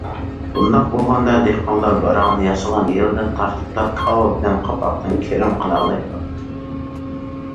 بۇنداق بولغاندا دېھقانلار باراڭنى ياسىغان يىلىدىن تارتىپلا كاۋا بىلەن قاپاقتىن كىرىم قىلالايدۇ.